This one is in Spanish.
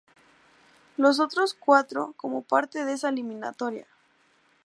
Los otros cuatro, como parte de esa eliminatoria.